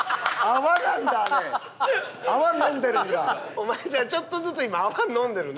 お前じゃあちょっとずつ今泡飲んでるな。